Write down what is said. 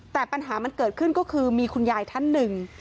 แต่ปัญหามันเกิดขึ้นก็คือมีคุณยายท่านหนึ่ง